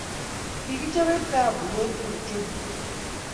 Kikichope tahabu konunotyet nyi.